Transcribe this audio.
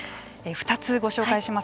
２つご紹介します。